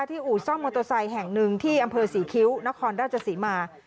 ที่อู๋ซ่อมโมโตไซด์แห่งหนึ่งที่อำเภอศรีคิ้วนครราชสิมา